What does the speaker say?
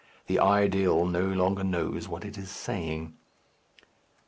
The ideal no longer knows what it is saying.